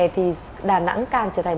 thì đà nẵng càng trở thành